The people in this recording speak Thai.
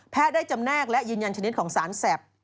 ได้จำแนกและยืนยันชนิดของสารแสบ